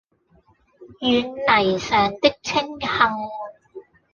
軟泥上的青荇